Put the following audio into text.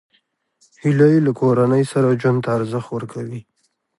هیلۍ له کورنۍ سره ژوند ته ارزښت ورکوي